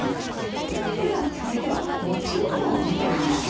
では続いては持ち物を見てみましょう。